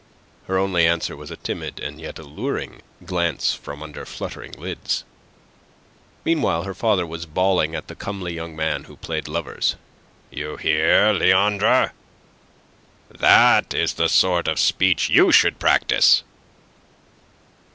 Her only answer was a timid timid and yet alluring glance from under fluttering lids. Meanwhile her father was bawling at the comely young man who played lovers "You hear, Leandre! That is the sort of speech you should practise."